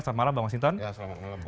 selamat malam bang maksinton pasaribu